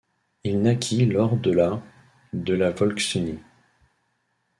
Il naquit lors de la de la Volksunie.